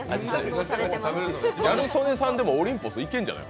ギャル曽根さん、オリンポスいけるんじゃない？